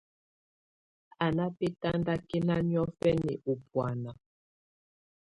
Á ná bɛ́tandakɛ́na niɔ̀fɛna ú bùána.